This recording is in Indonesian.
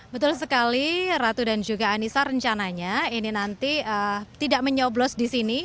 betul sekali ratu dan juga anissa rencananya ini nanti tidak menyoblos di sini